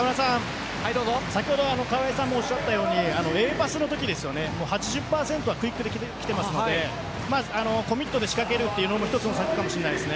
先ほど川合さんもおっしゃったようにＡパスのとき８０％はクイックできていますのでコミットで仕掛けるというのも一つの策かもしれないです。